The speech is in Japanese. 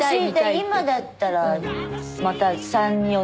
今だったらまた３４人。